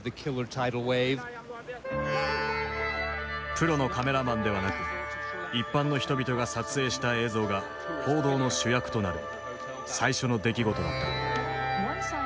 プロのカメラマンではなく一般の人々が撮影した映像が報道の主役となる最初の出来事だった。